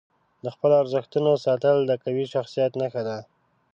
د خپلو ارزښتونو ساتل د قوي شخصیت نښه ده.